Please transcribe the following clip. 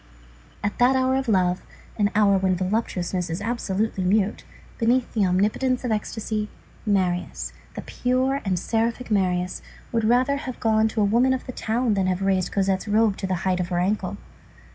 At that hour of love, an hour when voluptuousness is absolutely mute, beneath the omnipotence of ecstasy, Marius, the pure and seraphic Marius, would rather have gone to a woman of the town than have raised Cosette's robe to the height of her ankle.